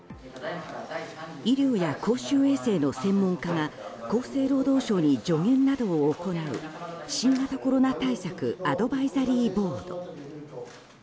医療や公衆衛生の専門家が厚生労働省に助言などを行う新型コロナ対策アドバイザリーボード。